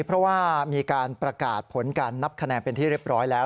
เพราะว่ามีการประกาศผลการนับคะแนนเป็นที่เรียบร้อยแล้ว